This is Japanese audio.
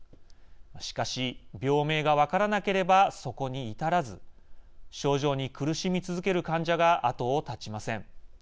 しかし、病名が分からなければそこに至らず症状に苦しみ続ける患者が後を絶ちません。